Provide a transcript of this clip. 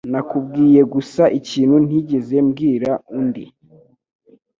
Nakubwiye gusa ikintu ntigeze mbwira undi